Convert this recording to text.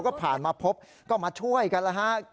ก็ผ่านมาพบก็มาช่วยกันแล้วฮะ